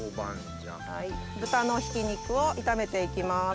豚のひき肉を炒めて行きます。